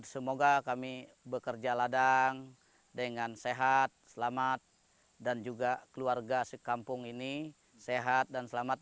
semoga kami bekerja ladang dengan sehat selamat dan juga keluarga sekampung ini sehat dan selamat